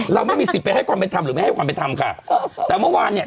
เราไม่มีสิทธิ์ไปให้คนไปทำหรือไม่ให้คนไปทำค่ะแต่เมื่อวานเนี้ย